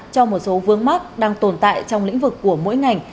cho một số vương mắc đang tồn tại trong lĩnh vực của mỗi ngành